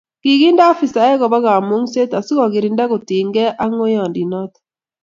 Kiginde afisaek Koba kamungset asikogirinda kotinyekei ak ngoiyondinoto